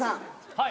はい。